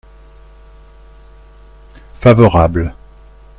Favorable.